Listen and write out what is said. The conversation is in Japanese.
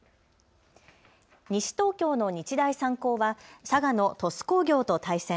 西東京の日大三高は佐賀の鳥栖工業と対戦。